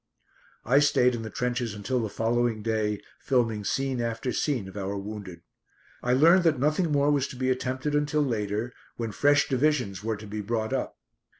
I stayed in the trenches until the following day, filming scene after scene of our wounded. I learned that nothing more was to be attempted until later, when fresh divisions were to be brought up.